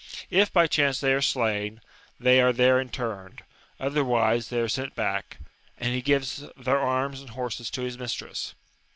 If by chance they are slain, they are there interred ; otherwise, they are sent back, and he gives their arms and horses to his mistress.